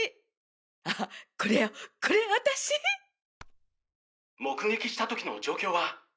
あこれよこれアタシ！目撃した時の状況は？